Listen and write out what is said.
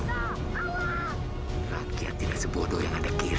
rakyat tidak sebodoh yang anda kira